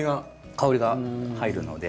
香りが入るので。